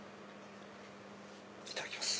いただきます。